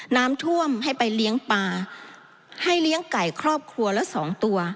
น้ำท่วมให้ไปเลี้ยงปลาให้เลี้ยงไก่ครอบครัวละสองตัว